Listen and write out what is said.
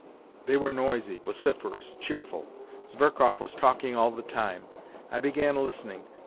They were noisy, vociferous, cheerful. Zverkov was talking all the time. I began listening.